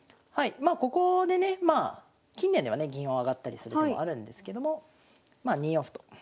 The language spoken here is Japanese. まあここでねまあ近年ではね銀を上がったりする手もあるんですけどもまあ２四歩と。